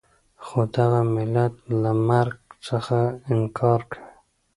خو دغه ملت له مرګ څخه انکار کوي.